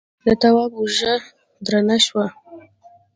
د تواب اوږه درنه شوه.